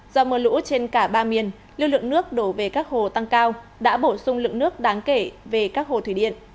do mưa lũ trên cả ba miền lưu lượng nước đổ về các hồ tăng cao đã bổ sung lượng nước đáng kể về các hồ thủy điện